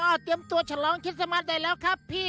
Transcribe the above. เอาเตรียมตัวฉลองคิดสมัครได้แล้วครับพี่